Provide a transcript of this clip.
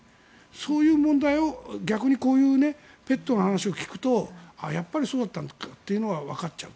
そういう問題を逆にこういうペットの話を聞くとやっぱりそうだったんだというのがわかっちゃう。